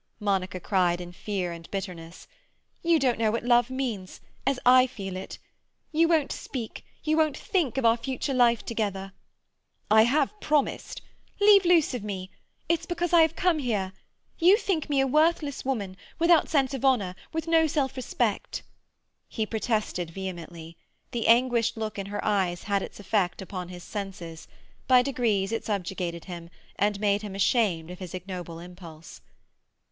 Monica cried in fear and bitterness. "You don't know what love means, as I feel it. You won't speak, you won't think, of our future life together—" "I have promised—" "Leave loose of me! It's because I have come here. You think me a worthless woman, without sense of honour, with no self respect—" He protested vehemently. The anguished look in her eyes had its effect upon his senses; by degrees it subjugated him, and made him ashamed of his ignoble impulse.